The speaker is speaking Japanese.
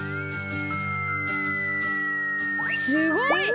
すごい！